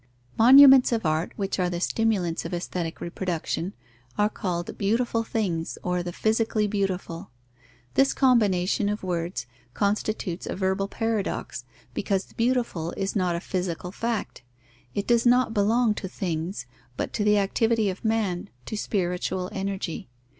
_ Monuments of art, which are the stimulants of aesthetic reproduction, are called beautiful things or the physically beautiful. This combination of words constitutes a verbal paradox, because the beautiful is not a physical fact; it does not belong to things, but to the activity of man, to spiritual energy.